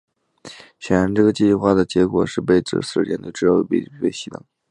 显然这个计划的结果是这四支舰队中至少一支要被牺牲。